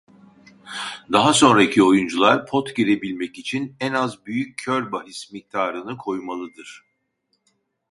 Daha sonraki oyuncular pot girebilmek için en az büyük kör bahis miktarını koymalıdır.